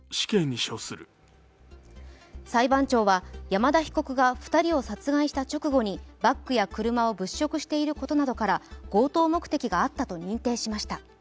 裁判長は、山田被告が２人を殺害した直後にバッグや車を物色していることなどから強盗目的があったと認定しました。